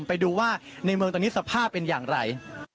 ไปดูว่าในเมืองตอนนี้สภาพเป็นอย่างไร